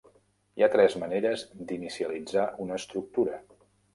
Hi ha tres maneres d'inicialitzar una estructura.